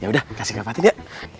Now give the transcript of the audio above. yaudah kasih ke kak fatin ya